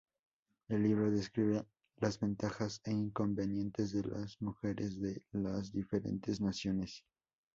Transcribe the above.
El libro describe las ventajas e inconvenientes de las mujeres de las diferentes naciones.